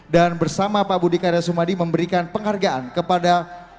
dan bersama pak budi karya sumadi memberikan penghargaan kepada